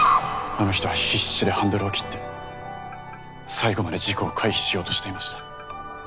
あの人は必死でハンドルを切って最後まで事故を回避しようとしていました。